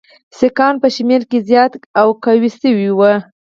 سیکهان په شمېر کې زیات او قوي شوي وو.